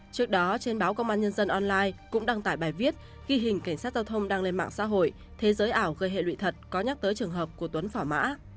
trước đó trên báo công an nhân dân online cũng đăng tải bài viết ghi hình cảnh sát giao thông đăng lên mạng xã hội thế giới ảo gây hệ lụy thật có nhắc tới trường hợp của tuấn phả mã